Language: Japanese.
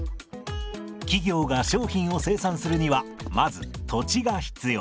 企業が商品を生産するにはまず土地が必要です。